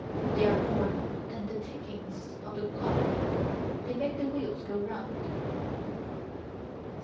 They are more than the tickings of the clock; they make the wheels go round.